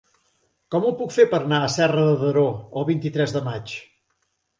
Com ho puc fer per anar a Serra de Daró el vint-i-tres de maig?